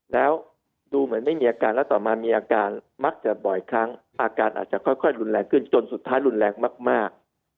แล้วดูเหมือนไม่มีอาการแล้วต่อมามีอาการมักจะบ่อยครั้งอาการอาจจะค่อยรุนแรงขึ้นจนสุดท้ายรุนแรงมาก